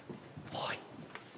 はい。